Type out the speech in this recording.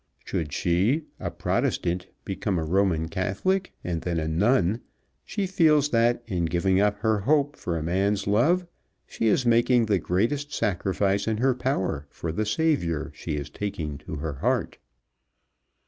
Should she, a Protestant, become a Roman Catholic and then a nun, she feels that in giving up her hope for a man's love she is making the greatest sacrifice in her power for the Saviour she is taking to her heart.